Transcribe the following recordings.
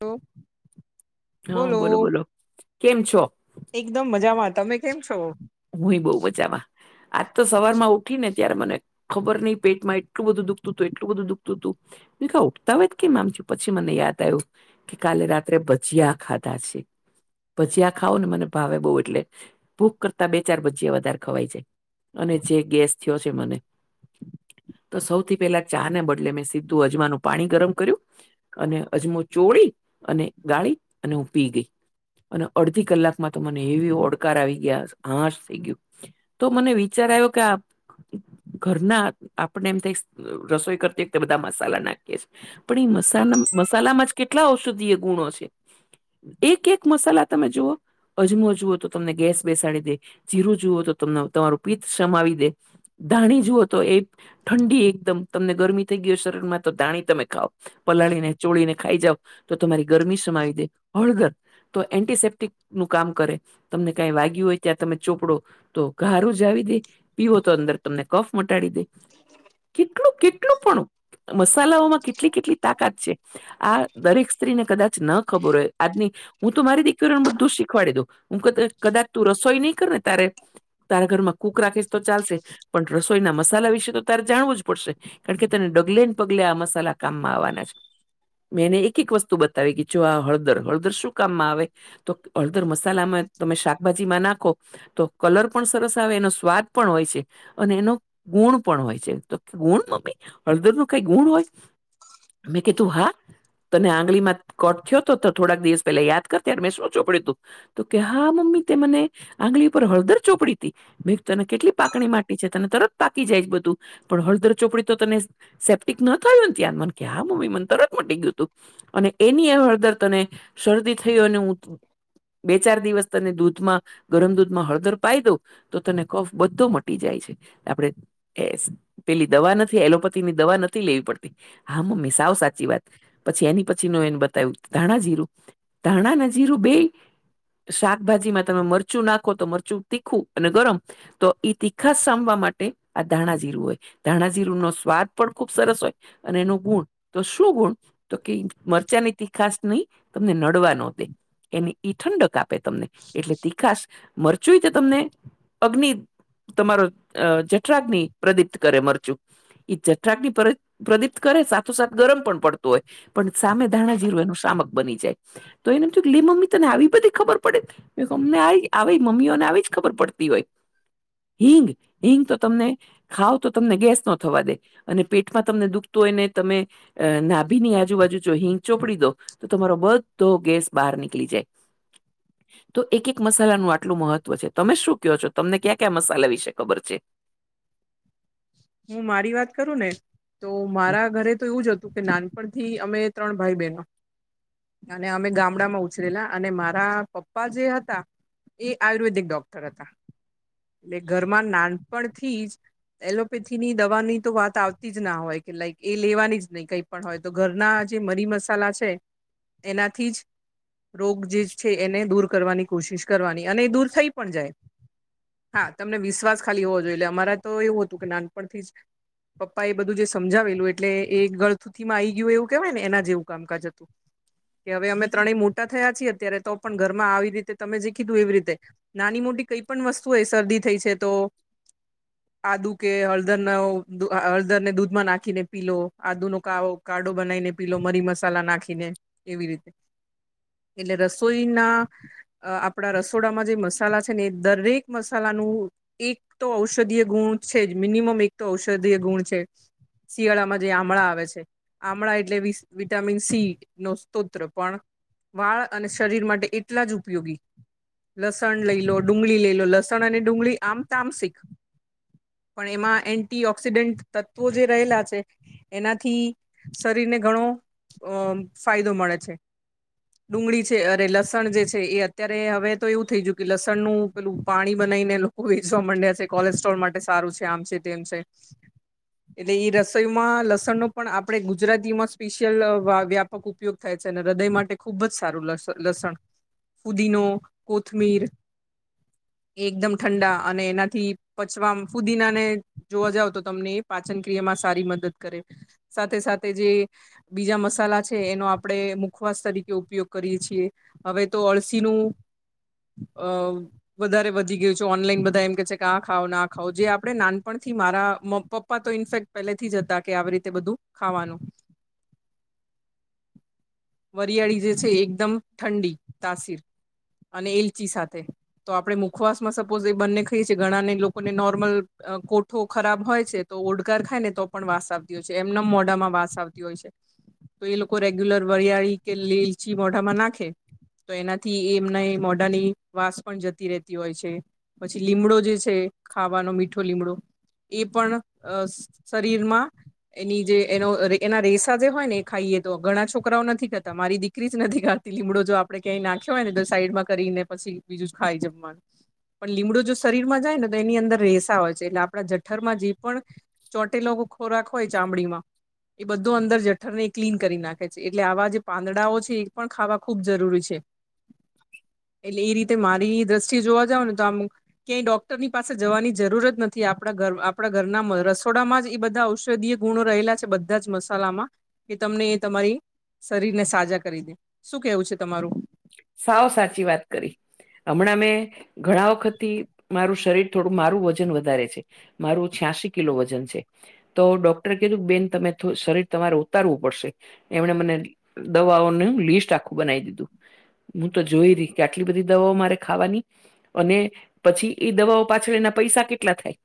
હ, હા બોલો બોલોઓ. બોલો કેમ છો એકદમ મજામાં, તમે કેમ છો? હું એ બવ મજામાં, આજ તો સવાર માં ઉઠી ને ત્યારે મને. ખબર નય, પેટ માં એટલું બધું દુખતું, એટલું બધું દુખતું. મેં કવ ઉઠતા વેત, કેમ આમ થયુ, પછી મને યાદ આવ્યું. કે કાલે રાત્રે ભજીયા ખાધા છે. ભજીયા ખાવ ને, મને ભાવે બહુ એટલે ભૂખ કરતાં. ત્યાં બે ચાર ભજીયા વધારે ખવાય જાય, અને જે ગેસ થયો છે મને. તો સૌથી પેલા ચાને, બદલે મેં સીધું અજમાનું પાણી ગરમ કર્યું. અને અજમો, ચોળ અને ગાળી અને હું પી ગઈ. અને અડધી કલાકમાં તો મને એવી ઓડકાર આવી ગયા કે, હાશ થઈ ગયું. તો મને વિચાર આવ્યો કે, આપ. ઘરના આપણે એમ થાય રસોઈ કરતી હોય, બધા મસાલા નાખે. પણ એ મસાલા મસાલામાં જ કેટલા ઔષધીય ગુણો છે. એક એક મસાલા તમે જુઓ, અજમો જુઓ તો, તમને ગેસ બેસાડી દે. જીરું જુવઓ તો, તમને તમારું પિત્ત સમાવી દે, ધાણી જુઓ તો એ ઠંડી એકદમ તમને ગરમી થઈ ગયો, શરીર માં તો ધાણી તમે ખાવ પલાળીને ચોળીને ખાઈ જાવ, તમારી ગરમી સમાવી દે હળદર. તો એન્ટીસેપ્ટિક નું કામ કરે, તમને કંઈ વાગ્યું હોય. ત્યાં તમે ચોપડો તો ઘા રૂઝાવી દે, પીવો તો, અંદર તમને કફ મટાડી દે. કેટલું કેટલું પણ? મસાલાઓમાં કેટલી કેટલી તાકાત છે? આ દરેક સ્ત્રીને કદાચ ન ખબર હોય આજની. હું તો મારી દીકરીને બધું શીખવાડી દઉ, હું કદાચ તું રસોઈ નહીં કર ને તારે. તારા ઘર માં કૂક રાખીશ તો ચાલશે, પણ રસોઈના મસાલા વિશે તો તારે જાણવું જ પડશે. કારણ કે, તને ડગલે ને પગલે, આ મસાલા કામમાં આવવાના છે. મેને એક એક વસ્તુ બતાવી કે, જો આ હળદર હળદર શું કામમાં આવે? તો હળદર મસાલામાં તમે શાકભાજી માં નાખો. તો કલર પણ સરસ આવે, એનો સ્વાદ પણ હોય છે. અને એનો ગુણ પણ હોય છે, તો ગુણ મમ્મી હળદર ન કઈ ગુણ હોય. મેં કીધું હા. તને આંગળી માં કટ થયો તો, થોડાક દિવસ પેલા યાદ કર મેં શું ચોપડ્યું તું? તો કે હા, મમ્મી તે મને આંગળી ઉપર હળદર ચોપડી તી. ભાઈ તને કેટલી પાકણી માટી છે, તને તરત પાકી જાય છે, બધું પણ હળદર ચોપડી તો તને સેપ્ટિક ન થયું ને, ત્યાં મન કે, હા મમ્મી મને તરત મટી ગયું તું. અને એની એ હળદર તને શરદી થઈ હોય, અને હું બે-ચાર દિવસ તને દૂધમાં ગરમ દૂધમાં હળદર પાય દવ તો, તને કફ બધો મટી જાય છે. આપણે તો એસ પેલી દવા નથી, એલોપેથી ની દવા નથી, લેવી પડતી. હા, મમ્મી સાવ સાચી વાત, પછી એની પછી નુ એને બતાવ્યું, ધાણા જીરુંન ધાણા ને, જીરું બે શાકભાજીમાં તમે મરચું નાખો, તો મરચું તીખું અને ગરમ તો ઈ તિખાસ સાભવા માટે આ ધાણા જીરું હોય. ધાણા જીરુંનો સ્વાદ પણ ખુબ સરસ હોય અને એનું ગુણ તો શું ગુણ? તો કે મરચાની તીખાસની તમને નડવા ન દે એને ઈ ઠંડક આપે તમને એટલે તીખાસ મરચું તો તમને અગ્નિ તમારો અ જઠરાગની પ્રદીપ્ત કરે મરચું. ઈ જઠરાગની પર પ્રદિપ્ત કરે સાથોસાથ ગરમ પણ પડતું હોય. પણ સામે ધાણા જીરું એનું સામક બની જાય. તો એને થયુ કે લે મમ્મી તને આવી બધી ખબર પડે. તમને આવી આવી મમ્મીઓને આવી જ ખબર પડતી હોય હિંગ હિંગ તો તમને ખાવ તો તમને ગૅસ નો થવા અને પેટમાં તમને દુખતું હોય ને તમે અ નાભીની આજુબાજુ જો હિંગ ચોપડી દો તો તમારો બધો ગેસ બહાર નીકળી જાય. તો એક એક મસાલાનું આટલું મહત્વ છે તમે શું કહો છો તમને ક્યાં ક્યાં મસાલા વિશે ખબર છે? હું મારી વાત કરું ને તો હમ. મારા ઘરે તો એવું જ હતું કે નાનપણ થી અમે ત્રણ ભાઈ બહેનો અને અમે ગામડામાં ઉછરેલા અને મારા પપ્પા જે હતા. એ આયુર્વેદિક ડોક્ટર હતા એટલે ઘરમાં નાનપણથી જ એલોપેથીની દવાની તો વાત આવતી જ ના હોય કે લાઈક એ લેવાની જ નહી કઈ પણ હોય તો ઘરના જે મરી મસાલા છે એનાથી જ રોગ જે છે એને દૂર કરવાની કોશિશ કરવાની અને એ દૂર થઈ પણ જાય. હા તમને વિશ્વાસ ખાલી હોવો જોઈએ અલા અમારે તો એવું હતું કે નાનપણથી જ પપ્પાએ બધું જે સમજાવેલું એટલે એ ગળથુથીમાં આવી ગયું એવું કેહેવાય ને એના જે એવું કામકાજ હતું. કે હવે અમે ત્રણેય મોટા થયા છીએ અત્યારે તો પણ ઘરમાં આવી રીતે તમે જે કીધું એવી રીતે નાની મોટી કઈ પણ વસ્તુ હોય શરદી થઈ છે તો આદુ કે હળદરનો હળદર ને દૂધમાં નાખીને પી લો આદુનો કાળો કાળો બનાઈને પીલો મરી મસાલા નાખીને એવી રીતે એટલે રસોઈના અ આપણા રસોડામાં જે મસાલા છે ને એ દરેક મસાલાનું એક તો ઔષધીય ગુણ છે જ મિનિમમ એક તો ઔષધીય ગુણ છે જ. શિયાળામાં જે આમળા આવે છે. આમળા એટલે વિસ વિટામિન સી નો સ્તોત્ર પણ વાળ અને શરીર માટે એટલા જ ઉપયોગી. લસણ લઈ લો ડુંગળી લઈ લો લસણ અને ડુંગળી આમ તામસિક પણ એમાં એન્ટી ઓક્સિડેન્ટ તત્વો જે રહેલા છે. એનાથી શરીરને ઘણો અ ફાયદો મળે છે. ડુંગળી છે અરે લસણ જે છે એ અત્યારે હવે તો એવું થઈ ગયું કે લસણનું પેલું પાણી બનાઈને લોકો વેચવા માંડ્યા છે કોલેસ્ટ્રોલ માટે સારું છે આમ છે તેમ છે. એટલે ઈ રસોઈમાં લસણનો પણ આપડે ગુજરાતીમાં સ્પેશિયલ વા વ્યાપક ઉપયોગ થાય છે અને હૃદય માટે ખુબ જ સારું લસ લસણ ફુદીનો કોથમીર એ એકદમ ઠંડા અને એનાથી પચવામ ફુદીનાને જોવા જાવ તો તમને એ પાચન ક્રિયામાં સારી મદદ કરે. સાથે સાથે જે બીજા મસાલા છે એનો આપડે મુખવાસ તરીકે ઉપયોગ કરીએ છે. હવે તો અળસીનું અ વધારે વધી ગયું છે ઓનલાઈન બધા એમ કે છે કે આ ખાઓ ના ખા ખાવો જે આપણે નાનપણથી મારા મમ પપ્પા તો ઇનફેક્ટ પહેલેથી જ હતા કે આવી રીતે બધું. ખાવાનું. વરિયાળી જે છે એ એકદમ ઠંડી તાસીર અને એલચી સાથે તો આપડે મુખવાસ માં સપોઝ એ બંને ખાઈએ છે ઘણાને લોકો ને નોર્મલ કોઠુ ખરાબ હોય છે તો ઓડકાર ખાય ને તો પણ વાસ આવતી હો છે એમને એમ મોઢામાં વાસ આવતી આવતી હોય છે તો એ લોકો રેગ્યુલર વરિયાળી કે લેલચી મોઢામાં નાખે તો એનાથી એ એમના એ મોઢાની વાસ પણ જતી રહેતી હોય છે. પછી લીમડો જે છે ખાવાનો મીઠો લીમડો એ પણ અ શરીરમાં એની જે એનો એના રેસા જે હોય ને એ ખાઈએ તો ઘણા છોકરાઓ નથી ખતા મારી દીકરી દીકરી જ નથી ખાતી લીમડો જો આપડણે ક્યાંય નાખ્યો હોય ને તો સાઈડમાં કરીને પછી બીજું જ ખાઈ જમવાનું. પણ લીમડું જો શરીરમાં જાય ને તો એની અંદર રેસા હોય છે. એટલે આપણા જઠરમાં જે પણ ચોટેલો ખોરાક હોય ચામડીમાં એ બધો અંદર જઠરને ક્લીન કરી નાખે છે. એટલે આવા જે પાંદડાઓ છે એ પણ ખાવા ખૂબ જરૂરી છે. [inaudible] એટલે એ રીતે મારી દ્રષ્ટિએ જોવા જાવ ને તો આમ ક્યાંય ડોક ડકરની પાસે જવાની જરૂરત નથી આપણા ઘર આપણા ઘરના રસોડામાં જ એ બધા ઔષધીય ગુણો રહેલા છે. બધા બધા જ મસાલામાં કે તમને એ તમારી શરીરને સાજા કરી દે શું કેવું છે તમારું? સાવ સાચી વાત કરી હમણાં મેં ઘણા વખત થી મારું શરીર થોડું મારું વજન વધારે છે. મારું છ્યાસી કિલો વજન છે. તો ડોક્ટરે કીધું કે બેન તમે શરીર તમારે ઉતારવું પડશે એમણે મને દવાઓનું લિસ્ટ આખું બનાવી દીધું. હું તો જોઈ રહી કે આટલી બધી દવાઓ મારે ખાવાની. અને પછી એ દવાઓ પાછળ એના પૈસા કેટલા થાય.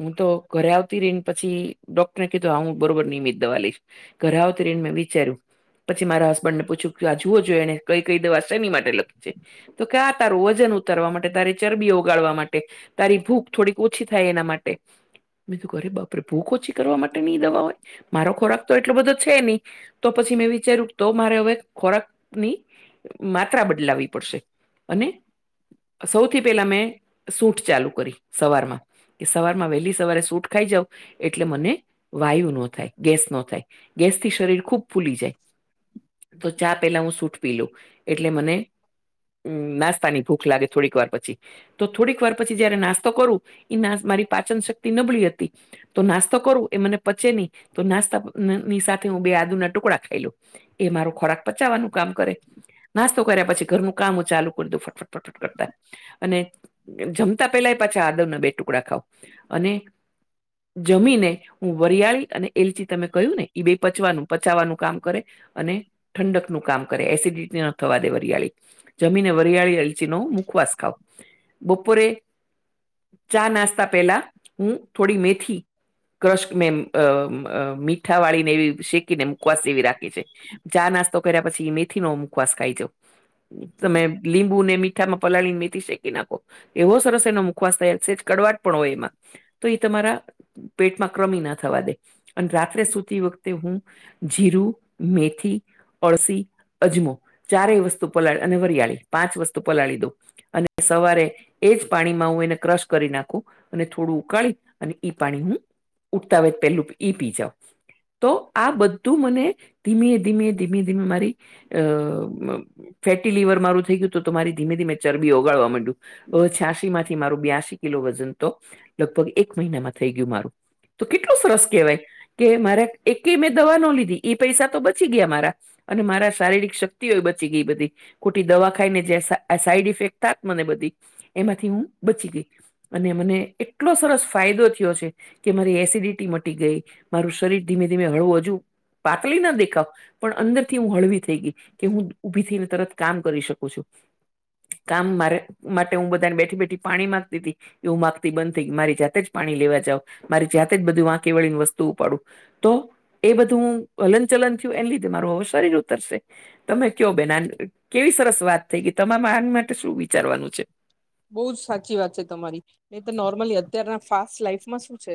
હું તો ઘરે આવતી રહીને પછી ડોક્ટરને કીધું હા હું બરોબર નિયમિત દવા લઈશ. ઘરે આવતી રઇ ને મેં વિચાર્યું પછી મારા હસબન્ડ ને પૂછ્યું કે આ જુઓ જોઈ એને કઈ કઈ દવા શેની માટે લકહી છે તો કે આ તારું વજન ઉતારવા માટે તારી ચરબી ઓગાળવા માટે. તારી ભૂખ થોડીક ઓછી થાય એના માટે. મે કીધું અરે બાપરે ભૂખ ઓછી કરવા માટે ની દવા હોય મારો ખોરાક તો એટલો બધો છે નહી. તો પછી મેં વિચાર્યું તો મારે હવે ખોરાકની માત્રા બદલાવી પડશે અને સૌથી પહેલા મેં સૂટ ચાલુ કરી સવારમાં. કે સવાર માં વહેલી સવારે સૂટ ખાઈ જાવ એટલે મને વાયુ ન થાય ગેસ નો થાય ગેસથી શરીર ખૂબ ફૂલી જાય. તો ચા પેલા હું સૂટ પી લઉ. એટલે મને હમ્મ નાસ્તાની ભૂખ લાગે થોડીક વાર પછી તો થોડીક વાર પછી જયારે નાસ્તો કરું એ નાસ મારી પાચન શક્તિ નબળી હતી. તો નાસ્તો કરું એ મને પચે નહી તો નાસ્તાની સાથે હું બે આદુ ના ટુકડા ખાઈ લઉ. એ મારો ખોરાક પચાવવાનું કામ કરે. નાસ્તો કર્યા પછી ઘરનું કામ ચાલુ કરી દો ફટફટ ફટફટ કરતા અને જમતા પેલા એ પાછા આદવના બે ટુકડા ખાવ અને જમીને હું વરિયાળી અને એલચી તમે કહ્યું ને ઈ બે પચવાનું પચાવવાનું કામ કરે. અને ઠંડકનું કામ કરે એસિડ રી ન થવા દે વરિયાળી જમીને વરિયાળી અલચીનો મુખવાસ ખાવ બપોરે ચા નાસ્તા પહેલા થોડી મેથી ક્રશ મેમ અ અ મીઠા વાળીને એવી શેક ને મુખવાસ જેવી રાખે છે. ચા નાસ્તો કર્યા પછી મેથી નો મુખવાસ ખાઈ જાવ. તમે લીંબુ ને મીઠામાં પલાળી ને મેથી શેકી નાખો. એવો સરસ એનો મુખવાસ થયાલ છે સેજ કડવાટ પણ હોય તો ઈ તમારા પેટમાં ક્રરમ ના થવા દે અને રાત્રે સુતી વખતે હું જીરું, મેથી, અળસી, અજમો ચારેય વસ્તુ પલાળી અને વરિયાળી પાંચ વસ્તુ પલાળી દો અને સવારે એજ પાણીમાં હું એને ક્રશ કરી નાખું અને થોડું ઉકાળી અને પાણી હું ઉઠતાં વેત પેલું ઈ પિજાવ. તો આ બધું મને ધીમે ધીમે ધીમે ધીમે મારી અ ફેટી લીવર મારુ થઈ ગયું તો તમારી ધીમે ધીમે ચરબી ઓગાળવા માંડે. અ છ્યાસી માંથી મારું બ્યાસી કિલો વજન તો લગભગ એક મહિનામાં થઈ ગયું મારું. કેટલો સરસ કહેવાય. કે મારે એક મેં દવા નો લીધી ઈ પૈસા તો બચી ગયા મારા અને મારા શારીરિક શક્તિ બચી ગઈ બધી ખોટી દવા ખાઈ ને જે સાઈડ સાઇડ ઇફેક્ટ થાત મને બધી એમાંથી હું બચી ગઈ અને મને એટલો સરસ ફાયદો થીયો છે. કે મારી એસિડિટી મટી ગઈ મારું શરીર ધીમે ધીમે હળવું હજુ પાતલી ના દેખાવ પણ અંદર થી હું હળવી થઈ ગઈ. ઉભી થઈને તરત કામ કરી શકું છું. કામ મારે માટે હું બધાને બેઠી બેઠી પાણી માંગતી તી એવું માગતી બંધ થઈ મારી જાતે જ પાણી લેવા જાવ મારી જાતે જ બધું વાંકી વળીને વસ્તુ ઉપાડું. તો એ બધું હું હલન ચલન થયું એને લીધે મારું શરીર ઉતરશે. તમે કયો બેન આ કેવી સરસ વાત થઈ ગઈ તમારે આન માટે શું વિચારવાનું છે? બો જ સાચી વાત છે તમારી નય તો નોર્મલી અત્યારના ફાસ્ટ લાઈફમાં શું છે?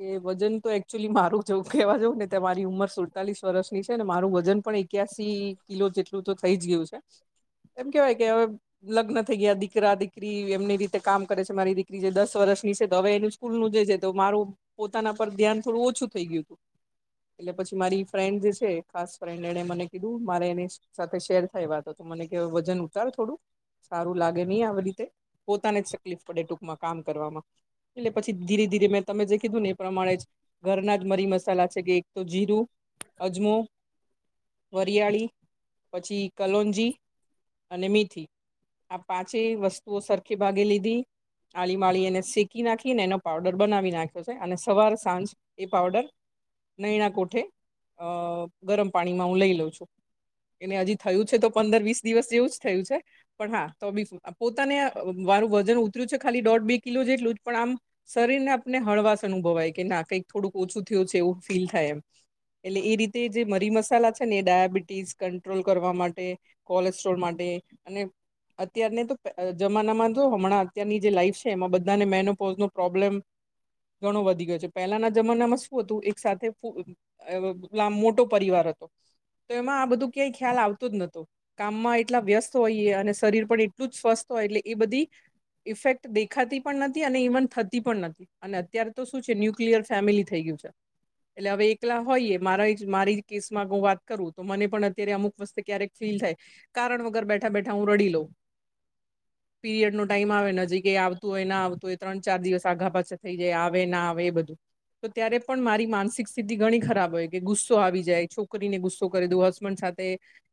કે વજન તો એકચુઅલી મારું જેવું કેવા જાવ ને ત મારી ઉંમર સુડતાલીસ વર્ષની છે ને મારું વજન પણ એક્યાસી કિલો જેટલું તો થઈ જ ગયું છે. એમ કેવાય કે હવે લગ્ન થઈ ગયા દીકરા, દીકરી દીકરી એમની રીતે કામ કરે છે મારી દીકરી જે દસ વર્ષની છે તો હવે એનું સ્કૂલ નું જે છે તો મારું પોતાના પર ધ્યાન થોડું ઓછું થઈ ગયું. પછી મારી ફ્રેન્ડ જે છે ખાસ ફ્રેન્ડ એને મને કીધું મારે એને સાથે શેર થાય વાતો તો મને કેય વજન ઉતાર થોડું સારું લાગે ની આ બધૂ. પોતાને જ તકલીફ પડે ટૂંકમાં કામ કરવામાં. એટલે પછી ધીરે ધીરે મેં તમને જે કીધું ને એ પ્રમાણે જ ઘરના જ મરી, મસાલા છે કે એક તો જીરું, અજમો વરિયાળી પછી કલોંજી અને મેથી આ પાંચેય વસ્તુઓ સરખી ભાગે લીધી. આળી માળી એને શેકી નાખીને એનો પાવડર બનાવી નાખ્યો છે અને સવારે સાંજ એ પાવડર નયણા કોઠે અ ગરમ પાણીમાં હું લઈ લઉં. એને હજી થયું છે તો પંદર વીસ દિવસ જેવું જ થયું છે પણ હા તો બી પોતાને મારું વજન ઉતર્યું છે ખાલી દોઢ બે કિલો જેટલું પણ આમ શરીર ને આપને હળવાસ અનુભવાય કે ના કંઈક થોડુંક ઓછું થયું છે એવું ફીલ થાય એમ. એ રીતે જે મરી મસાલા છે ને એ ડાયાબિટીસ કંટ્રોલ કરવા માટે કોલેસ્ટ્રોલ માટે અને અત્યારને તો જમાનામાં જો હમણાં અત્યારની જે લાઈફ છે એમાં બધાને મેનોપોઝ નો પ્રોબ્લેમ ઘણો વધી ગયો છે પહેલાના જમાનામાં શું હતું એક સાથે ખૂબ એવે એટલે આમ મોટો પરિવાર હતો. તો એમાં આ બધું ક્યાંય ખ્યાલ આવતું જ નતો કામમાં એટલા વ્યસ્ત હોઈએ અને શરીર પણ એ એટલું જ સ્વસ્થ હોય એટલે એ બધી ઇફેક્ટ દેખાતી પણ નથી અને ઇવન થતી પણ ન અને અત્યારે તો શું છે ન્યુક્લિયર ફેમિલી થઈ ગયું છે એટલે હવે એકલા હોઈય મારા મારી કેસ માંગ વાત કરું તો મને પણ અત્યારે અમુક વસતે ક્યારેક ફીલ થાય કારણ વગર બેઠા બેઠા હું રડી લઉ. પીરિયડ નો ટાઈમ આવે ને હજી કેય આવતું હોય ના આવતું હોય ત્રણ ચાર દિવસ આગા પાછા થઈ જાય આવે ના આવે એ બધું તો ત્યારે પણ મારી માનસિક સ્થિતિ ઘણી ખરાબ હોય કે ગુસ્સો આવી જાય છોકરીને ગુસ્સો કરી દઉં હસબન્ડ સાથે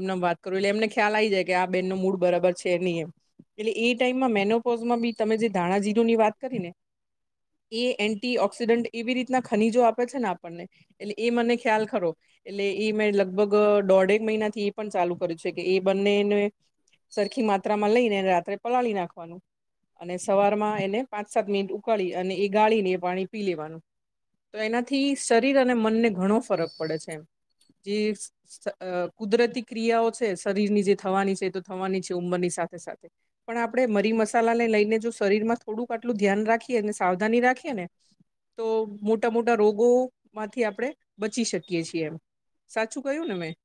એમન એમ વાત કરું એટલે એમને ખ્યાલ આવી જાય કે આ બેન ન મૂડ બરાબર છે ની એમ. એટલે એ ટાઈમમાં મેનોપોઝમાં બી તમે જે ધાણા જીરું ની વાત કરી ને એ એન્ટી ઓક્સિડન્ટ એવી રીતના ખનીજો આપે છે ને આપણને એટલે એ મને ખ્યાલ ખરો. એટલે ઈ મેં લગભગ દોઢેક મહિના થી એ પણ ચાલુ કર્યું છે કે એ બંનેને સરખી માત્રામાં લઈને રાત્રે પલાળી નાખવાનું અને સવારમાં એને પાંચ-સાત મિનિટ ઉકાળી અને એ ગાળી ને એ પાણી પી લેવાનું. તો એનાથી શરીર અને મનને ઘણો ફરક પડે છે. જીસ સ અહ કુદરતી ક્રિયાઓ છે શરીરની જે થવાની છે એ તો થવાની છે ઉંમરની સાથે સાથે પણ આપડે મરી મસાલા ને લઈને જો શરીર માં થોડુંક આટલું ધ્યાન રાખીએ ને સાવધાની રાખીએ ને તો મોટા-મોટા રોગો માંથી આપડે બચી શકીએ છીએ. સાચું કયું ને મેં?